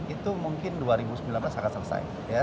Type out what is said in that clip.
itu mungkin dua ribu sembilan belas akan selesai